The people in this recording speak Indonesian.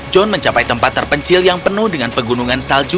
john mencapai tempat terpencil yang penuh dengan pegunungan salju